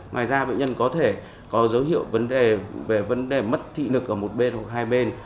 ngoài ra bệnh nhân có thể có dấu hiệu về vấn đề mất thị lực ở một bên hoặc hai bên